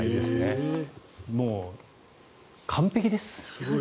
もう完璧です。